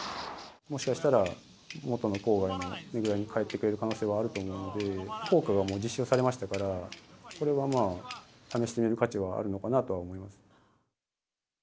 もしかしたら元の郊外、ねぐらに帰ってくれる可能性はあると思うので、効果が実証されましたから、今後も試してみる価値はあるのかなと思いますが。